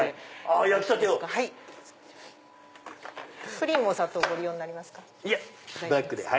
クリームお砂糖ご利用になります？